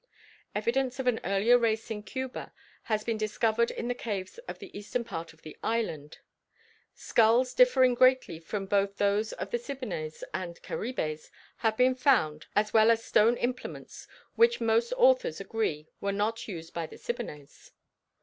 Evidence of an earlier race in Cuba has been discovered in the caves of the eastern part of the island. Skulls differing greatly from both those of the Siboneyes and Caribes have been found, as well an stone implements, which most authors agree were not used by the Siboneyes.